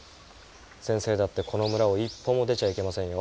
先生だってこの村を一歩も出ちゃいけませんよ。